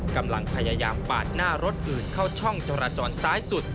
กำลังพยายามปาดหน้ารถอื่นเข้าช่องจราจรซ้ายสุด